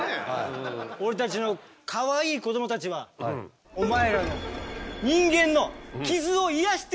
俺たちのかわいい子どもたちはお前らの人間の傷を癒やしてんだぞ。